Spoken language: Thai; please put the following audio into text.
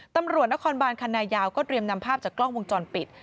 ตำรวจนครบานคันนายาวก็เตรียมนำภาพจากกล้องวงจรปิด